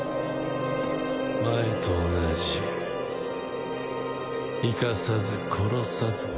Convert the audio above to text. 前と同じ生かさず殺さずか。